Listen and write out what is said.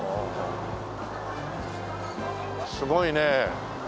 すごいね。